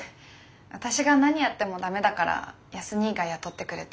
私が何やってもダメだから康にぃが雇ってくれて。